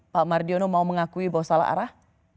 pak mardiono mau mengakui bahwa salah arah